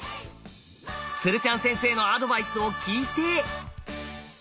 鶴ちゃん先生のアドバイスを聞いて。